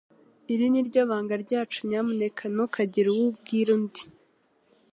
Iri ni ryo banga ryacu Nyamuneka ntukagire uwo ubwira undi